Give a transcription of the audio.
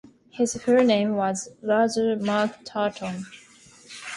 His full name was Luther Mark Turton.